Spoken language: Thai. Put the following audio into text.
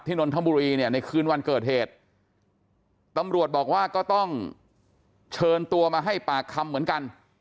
นนทบุรีเนี่ยในคืนวันเกิดเหตุตำรวจบอกว่าก็ต้องเชิญตัวมาให้ปากคำเหมือนกัน